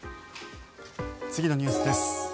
次のニュースです。